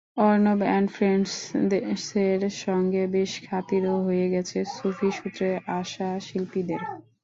Arnab and ফ্রেন্ডসের সঙ্গে বেশ খাতিরও হয়ে গেছে সুফি সূত্রে আসা শিল্পীদের।